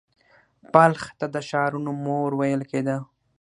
بلخ ته د ښارونو مور ویل کیده